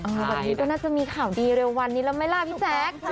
แบบนี้ก็น่าจะมีข่าวดีเร็ววันนี้แล้วไหมล่ะพี่แจ๊ค